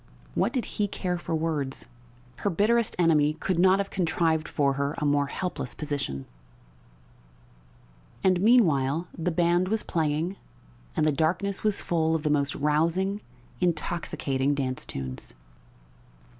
What did he care for words? Her bitterest enemy could not have contrived for her a more helpless position. And meanwhile the band was playing and the darkness was full of the most rousing, intoxicating dance tunes.